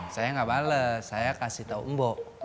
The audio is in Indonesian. saya nggak bales saya kasih tahu mbok